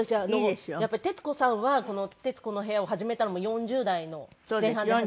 やっぱり徹子さんはこの『徹子の部屋』を始めたのも４０代の前半で。